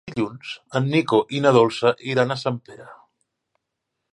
Dilluns en Nico i na Dolça iran a Sempere.